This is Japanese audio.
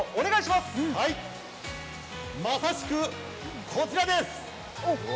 まさしくこちらです。